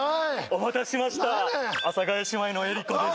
お待たせしました阿佐ヶ谷姉妹の江里子です